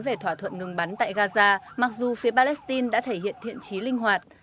về thỏa thuận ngừng bắn tại gaza mặc dù phía palestine đã thể hiện thiện trí linh hoạt